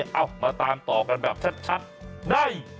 เอามาตามต่อกันแบบชัดใน